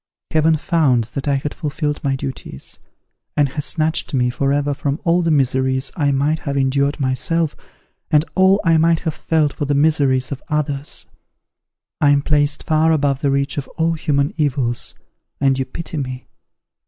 Heaven found that I had fulfilled my duties, and has snatched me for ever from all the miseries I might have endured myself, and all I might have felt for the miseries of others. I am placed far above the reach of all human evils, and you pity me!